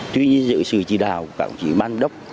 tuy nhiên sự chỉ đào của cảnh sát ban đốc